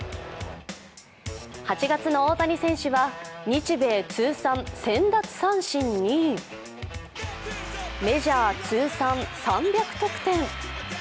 ８月の大谷選手は日米通算１０００奪三振に、メジャー通算３００得点。